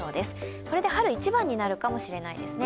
これで春一番になるかもしれないですね。